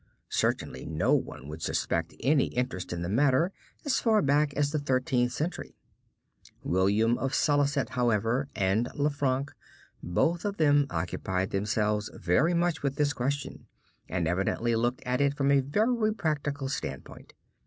Certainly no one would suspect any interest in the matter as far back as the Thirteenth Century. William of Salicet, however, and Lanfranc, both of them occupied themselves much with this question and evidently looked at it from a very practical standpoint.